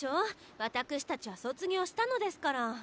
わたくしたちは卒業したのですから。